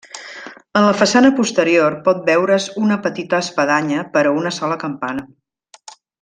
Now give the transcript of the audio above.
En la façana posterior pot veure's una petita espadanya per a una sola campana.